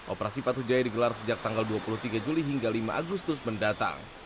operasi patu jaya digelar sejak tanggal dua puluh tiga juli hingga lima agustus mendatang